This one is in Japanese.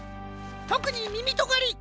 とくにみみとがり！